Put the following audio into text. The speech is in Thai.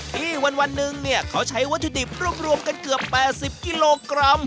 ที่วันนึงเขาใช้วัตถุดิบรวมกันเกือบ๘๐กิโลกรัม